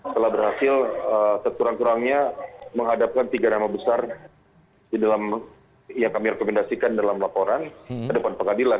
telah berhasil sekurang kurangnya menghadapkan tiga nama besar yang kami rekomendasikan dalam laporan ke depan pengadilan